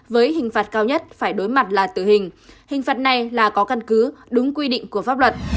với hình phạt cao nhất phải đối mặt là tử hình hình phạt này là có căn cứ đúng quy định của pháp luật